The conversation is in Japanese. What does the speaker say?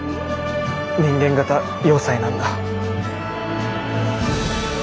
人間型要塞なんだ。